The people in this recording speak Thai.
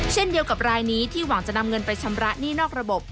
เช่นเดียวกับรายนี้ที่หวังจะนำเงินไปชำระหนี้นอกระบบ